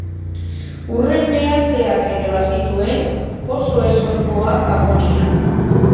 Urre meatzeak ere bazituen, oso ez ohikoak Japonian.